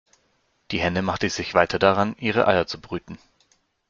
Die Henne machte sich weiter daran, ihre Eier zu brüten.